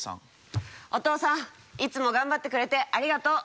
お父さんいつも頑張ってくれてありがとう！